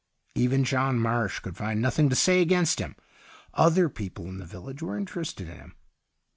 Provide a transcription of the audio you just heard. Even John Marsh could find nothing to say against him ; other people in the village were interested in him.